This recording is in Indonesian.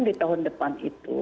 di tahun depan itu